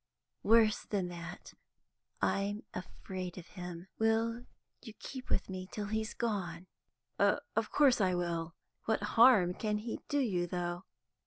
Worse than that, I'm afraid of him. Will you keep with me till he's gone?" "Of course I will. What harm can he do you though?"